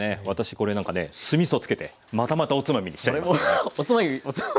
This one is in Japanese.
私これなんかね酢みそつけてまたまたおつまみにしちゃいます。